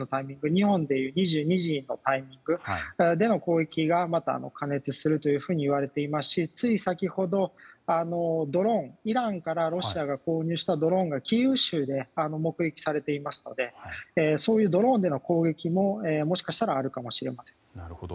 日本でいう２２時のタイミングでの攻撃が過熱しているといわれていますしつい先ほどイランからロシアが購入したドローンがキーウ州で目撃されていますのでそういうドローンでの攻撃ももしかしたらあるかもしれません。